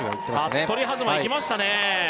服部弾馬いきましたね